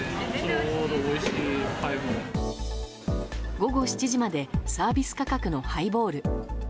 午後７時までサービス価格のハイボール。